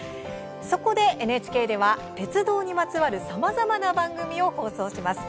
そこでＮＨＫでは鉄道にまつわるさまざまな番組を放送します。